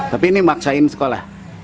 tapi ini maksain sekolah